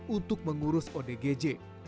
untuk mengurus odgj